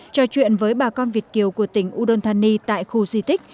trò chuyện với bà con việt kiều của tỉnh udon thani tại khu di tích